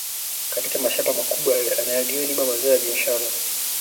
katika mashamba makubwa yaliyolima mazao ya biashara